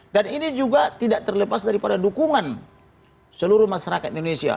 dan ini juga tidak terlepas daripada dukungan seluruh masyarakat di indonesia